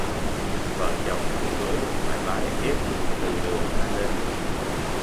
Vợ chồng khi cưới phải bái yết từ đường hai bên